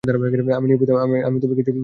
আমি নির্বোধ, আমি কিছুই বুঝিতে পারি না।